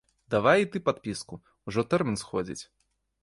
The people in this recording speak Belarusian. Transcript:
Давай і ты падпіску, ужо тэрмін сходзіць.